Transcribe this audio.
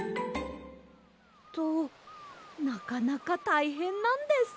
となかなかたいへんなんです。